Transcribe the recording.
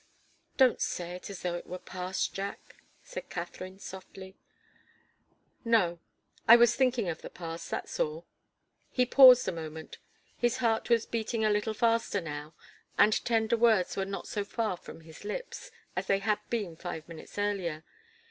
"Don't say it as though it were past, Jack," said Katharine, softly. "No I was thinking of the past, that's all." He paused a moment. His heart was beating a little faster now, and tender words were not so far from his lips as they had been five minutes earlier.